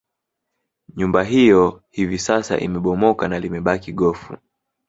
Nyumba hiyo hivi sasa imebomoka na limebaki gofu